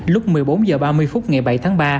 lúc một mươi bốn h ba mươi phút ngày bảy tháng ba